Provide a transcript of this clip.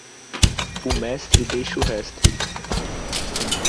O mestre deixa o resto.